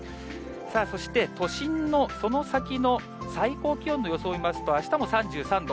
さあそして都心のその先の最高気温の予想を見ますと、あしたも３３度。